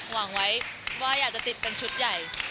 หวังไว้ว่าอยากจะติดเป็นชุดใหญ่